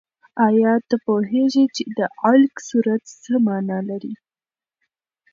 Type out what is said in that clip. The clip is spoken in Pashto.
آیا ته پوهېږې چې د علق سورت څه مانا لري؟